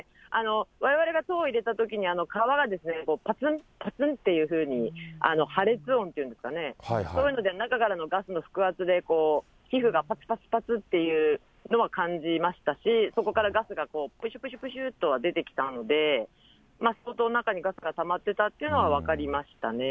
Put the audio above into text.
われわれがを入れたときに皮がぱつんぱつんっていうふうに、破裂音っていうんですかね、そういうので中からのガスの圧で皮膚がぱつぱつぱつっていうのは感じましたし、そこからガスがぷしゅぷしゅぷしゅとは出てきたんで、相当、中にガスがたまってたというのは分かりましたね。